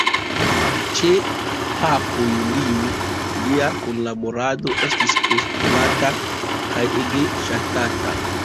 Ĉe papo Julio lia kunlaborado estis postulata kaj ege ŝatata.